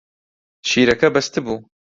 شیرەکە بەستبوو.